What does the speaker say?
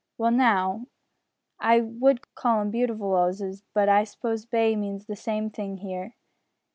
"Well now, I would call 'em beautiful 'osses, but I suppose bay means the same thing here.